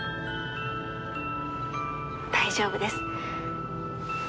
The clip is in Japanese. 大丈夫です。